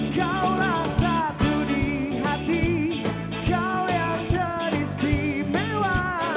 kau rasa tuh di hati kau yang teristimewa